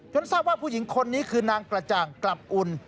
ทราบว่าผู้หญิงคนนี้คือนางกระจ่างกลับอุ่น